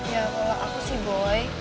ya kalau aku sih boleh